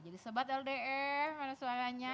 jadi sobat ldl mana suaranya